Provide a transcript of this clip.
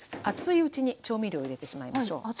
熱いうちに調味料を入れてしまいましょう。